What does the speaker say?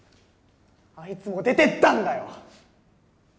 あいつも出てったんだよ